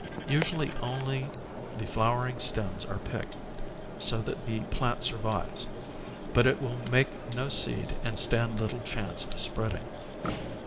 Usually only the flowering stems are picked, so that the plant survives, but it will make no seed and stand little chance of spreading.